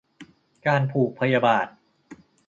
การผูกพยาบาท